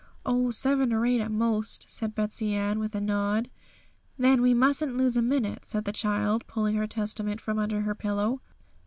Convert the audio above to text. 'Oh, seven or eight at most,' said Betsey Ann, with a nod. 'Then we mustn't lose a minute,' said the child, pulling her Testament from under her pillow.